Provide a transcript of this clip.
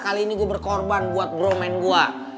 kali ini gue berkorban buat bromen gue